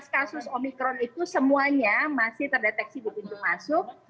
sembilan belas kasus omikron itu semuanya masih terdeteksi di pintu masuk